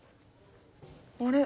あれ？